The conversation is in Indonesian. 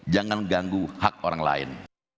jangan ganggu hak orang lain